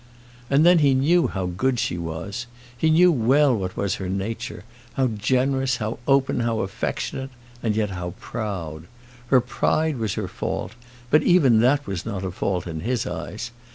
And then he knew how good she was. He knew well what was her nature; how generous, how open, how affectionate, and yet how proud! Her pride was her fault; but even that was not a fault in his eyes.